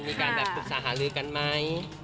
มีการแบบปรึกษาหาลือกันไหม